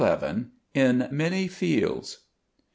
IN MANY FIELDS.